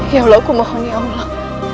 ya allah aku mohon ya allah